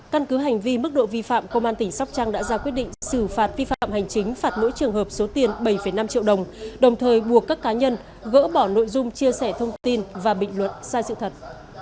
căn cứ hành vi mức độ vi phạm công an tỉnh sóc trăng đã ra quyết định xử phạt vi phạm hành chính phạt mỗi trường hợp số tiền bảy năm triệu đồng đồng thời buộc các cá nhân gỡ bỏ nội dung chia sẻ thông tin và bình luận sai sự thật